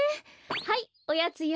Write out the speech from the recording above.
はいおやつよ。